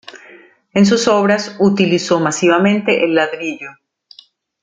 En sus obras utilizó masivamente el ladrillo.